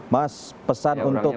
mas pesan untuk